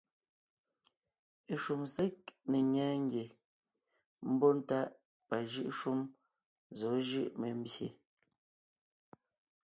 Eshúm ség ne ńnyɛɛ ngie mbɔ́ntáʼ pajʉ́ʼ shúm zɔ̌ jú membyè.